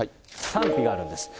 賛否があるんです。